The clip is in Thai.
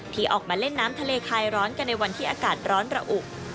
ที่ออกมาเล่นน้ำทะเลคลายร้อนกันในวันที่อากาศร้อนระอุ